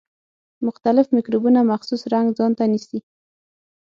مختلف مکروبونه مخصوص رنګ ځانته نیسي.